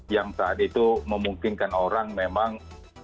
yang saat itu memungkinkan orang memang